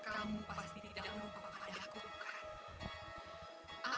kamu pasti tidak mau memperdahkukan